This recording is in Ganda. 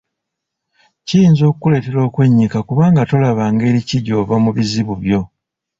Kiyinza okukuleetera okwennyika kubanga tolaba ngeri ki gy'ova mu bizibu byo.